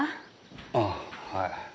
あぁはい。